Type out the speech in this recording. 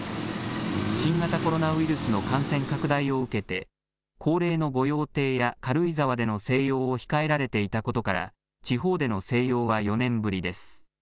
新型コロナウイルスの感染拡大を受けて恒例の御用邸や軽井沢での静養を控えられていたことから地方での静養は４年ぶりです。